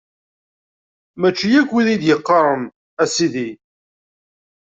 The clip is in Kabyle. Mačči akk wid i yi-d-iqqaren: A Sidi!